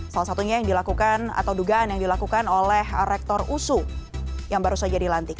salah satunya yang dilakukan atau dugaan yang dilakukan oleh rektor usu yang baru saja dilantik